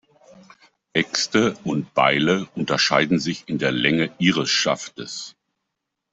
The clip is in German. Äxte und Beile unterscheiden sich in der Länge ihres Schaftes.